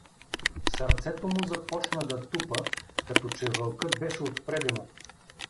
Сърцето му започна да тупа, като че вълкът беше отпреде му.